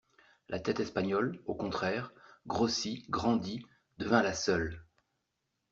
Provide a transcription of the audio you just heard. La tête espagnole, au contraire, grossit, grandit, devint la seule.